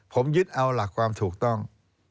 ผมยึดเอาหลักความถูกต้อง